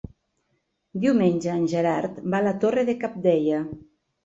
Diumenge en Gerard va a la Torre de Cabdella.